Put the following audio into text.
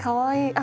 あ！